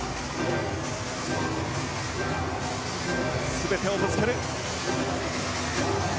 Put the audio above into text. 全てをぶつける。